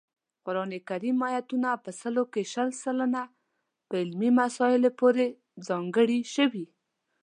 قران کریم آیاتونه په سلو کې شل سلنه په علمي مسایلو پورې ځانګړي شوي